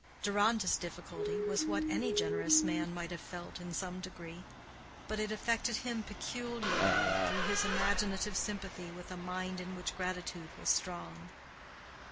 Deronda's difficulty was what any generous man might have felt in some degree; but it affected him peculiarly through his imaginative sympathy with a mind in which gratitude was strong.